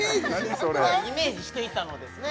イメージしていたのですね